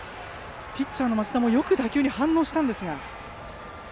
ピッチャーの升田もよく打球に反応したんですが。